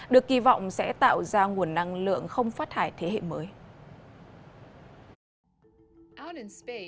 được kỳ vọng sẽ tạo ra nguồn năng lượng không phát thải thế hệ mới